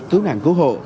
cứu nạn cứu hộ